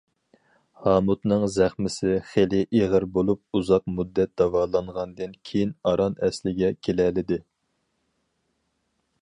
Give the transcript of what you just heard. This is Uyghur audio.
ھامۇتنىڭ زەخمىسى خېلى ئېغىر بولۇپ ئۇزاق مۇددەت داۋالانغاندىن كېيىن ئاران ئەسلىگە كېلەلىدى.